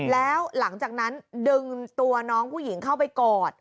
แล้วหลังจากนั้นดึงตัวน้องผู้หญิงเข้าไปกอด